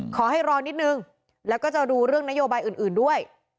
ขอให้รอนิดนึงแล้วก็จะดูเรื่องนโยบายอื่นด้วย